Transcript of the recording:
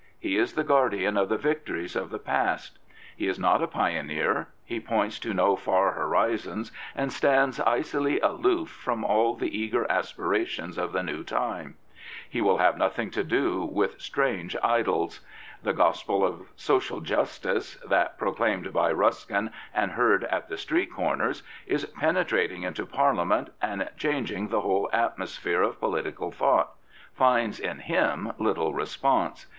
He is the guardian of the victories of the past. He is not a pioneer. He points to no far horizons, and stands icily aloof from all the eager aspirations of the new time. He will have nothing to do with strange idols. The gospel of social justice, that, proclaimed by Ruskin and heard at the street comers, is penetrating into Parliament and changing the whole atmosphere of political thought, finds in him little response.